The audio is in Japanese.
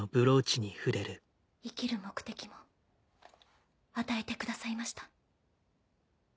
生きる目的も与えてくださいました。